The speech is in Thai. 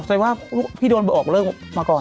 เดี๋ยวว่าพี่โดนไปออกเลือกมาก่อน